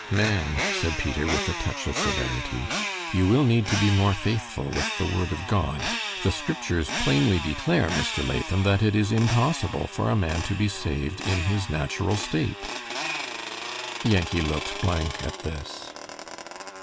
"Man," said Peter, with a touch of severity, "you will need to be more faithful with the Word of God. The Scriptures plainly declare, Mr. Latham, that it is impossible for a man to be saved in his natural state." Yankee looked blank at this.